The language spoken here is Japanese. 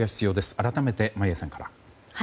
改めて眞家さんから。